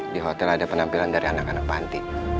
di hotel ada penampilan dari anak anak panti